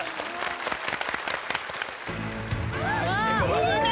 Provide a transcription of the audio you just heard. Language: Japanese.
いいね